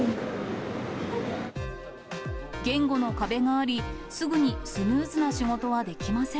言語の壁があり、すぐにスムーズな仕事はできません。